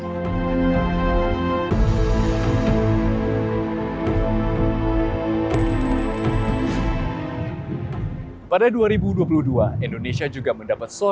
kepala kepala kepala kepala